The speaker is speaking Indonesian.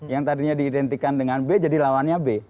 yang tadinya diidentikan dengan b jadi lawannya b